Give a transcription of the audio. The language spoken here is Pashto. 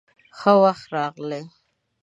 _ښه وخت راغلې.